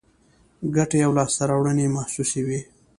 ګټې او لاسته راوړنې یې محسوسې وي.